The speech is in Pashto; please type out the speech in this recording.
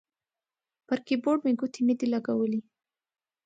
پر کیبورډ مې ګوتې نه دي لګولي